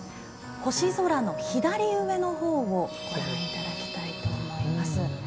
星空の左上のほうをご覧いただきたいと思います。